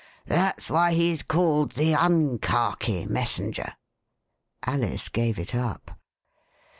That's why he's called the Unkhaki Messenger." Alice gave it up.